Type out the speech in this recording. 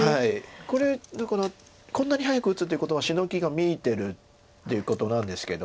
これだからこんなに早く打つっていうことはシノギが見えてるっていうことなんですけど。